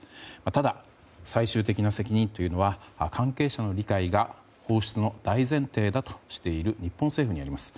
ただ、最終的な責任というのは関係者の理解が放出の大前提だとしている日本政府にあります。